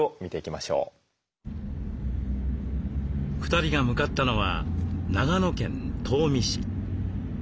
２人が向かったのは長野県東御市。